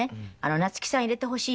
「夏木さん入れてほしいって」